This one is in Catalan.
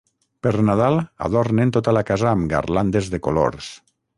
Per Nadal adornen tota la casa amb garlandes de colors.